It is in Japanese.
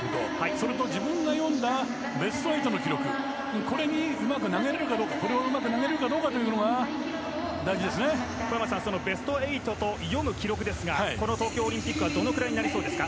それと自分が読んだベスト８の記録にうまく投げられるかどうかというのがベスト８と読む記録ですがこの東京オリンピックはどのくらいになりそうですか。